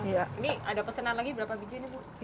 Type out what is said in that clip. ini ada pesanan lagi berapa biji ini bu